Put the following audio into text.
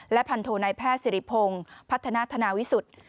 พันโทนายแพทย์สิริพงศ์พัฒนาธนาวิสุทธิ์